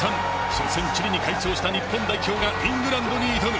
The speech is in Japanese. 初戦チリに快勝した日本代表がイングランドに挑む。